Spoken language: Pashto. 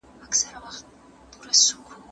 د تاریخ استاد نن ښه وینا وکړه.